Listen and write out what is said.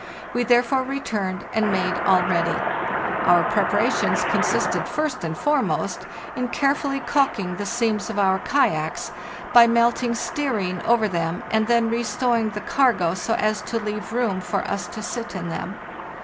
We therefore returned and made all ready. Our prep arations consisted, first and foremost, in carefully calk ing the seams of our kayaks by melting stearine over them, and then restowing the cargo so as to leave room for us to sit in them.